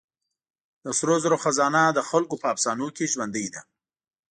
د سرو زرو خزانه د خلکو په افسانو کې ژوندۍ ده.